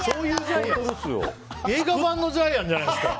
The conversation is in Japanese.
映画版のジャイアンじゃないですか。